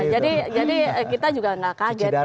jadi kita juga nggak kaget